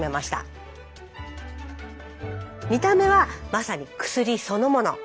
見た目はまさに薬そのもの。